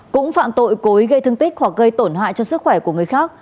cũng phạm tội cố ý gây thương tích hoặc gây tổn hại cho sức khỏe của người khác